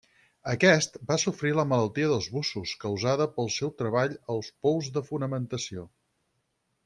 Aquest va sofrir la malaltia dels bussos causada pel seu treball als pous de fonamentació.